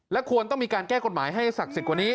ควรต้องมีการแก้กฎหมายให้ศักดิ์สิทธิ์กว่านี้